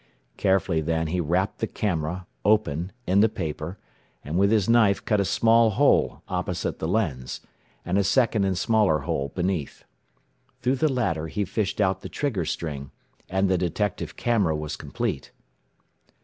Carefully then he wrapped the camera, open, in the paper, and with his knife cut a small hole opposite the lens, and a second and smaller hole beneath. Through the latter he fished out the trigger string and the detective camera was complete.